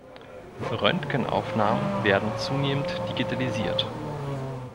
Röntgenaufnahmen werden zunehmend digitalisiert.